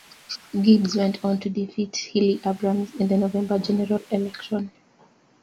Gibbs went on to defeat Healy-Abrams in the November general election.